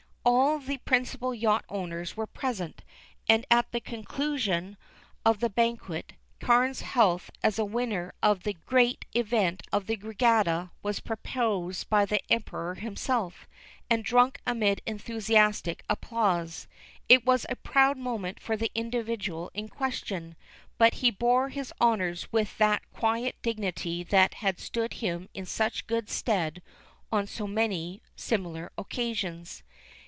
All the principal yacht owners were present, and, at the conclusion of the banquet, Carne's health as winner of the great event of the regatta, was proposed by the Emperor himself, and drunk amid enthusiastic applause. It was a proud moment for the individual in question, but he bore his honors with that quiet dignity that had stood him in such good stead on so many similar occasions.